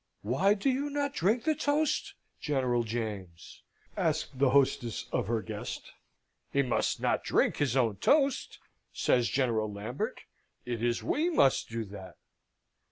"Why do you not drink the toast, General James!" asked the hostess of her guest. "He must not drink his own toast," says General Lambert; "it is we must do that!"